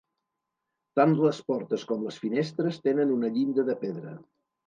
Tant les portes com les finestres tenen una llinda de pedra.